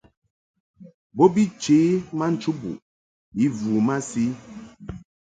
Bo bi chě ma nchubuʼ i vu masi.